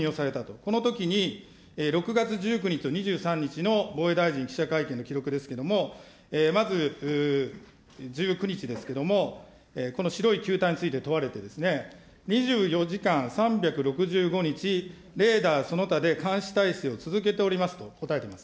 このときに、６月１９日と２３日の防衛大臣記者会見の記録ですけれども、まず、１９日ですけれども、この白い球体について問われて、２４時間３６５日、レーダーその他で監視体制を続けておりますと答えています。